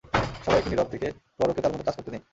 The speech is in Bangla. সবাই একটু নীরব থেকে পোয়ারোকে তার মতো করে কাজ করতে দিন!